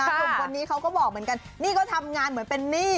หนุ่มคนนี้เขาก็บอกเหมือนกันนี่ก็ทำงานเหมือนเป็นหนี้